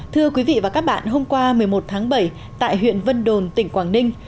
thưa quý vị và các bạn hôm qua một mươi một tháng bảy tại huyện vân đồn tỉnh quảng ninh